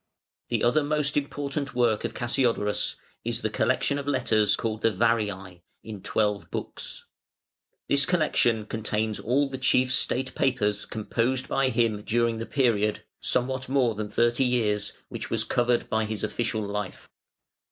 The other most important work of Cassiodorus is the collection of letters called the Variæ, in twelve books. This collection contains all the chief state papers composed by him during the period (somewhat more than thirty years) which was covered by his official life.